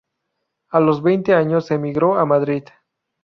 A los veinte años emigró a Madrid.